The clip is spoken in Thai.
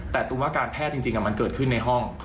แต่ตุ้มว่าการแพทย์จริงมันเกิดขึ้นในห้อง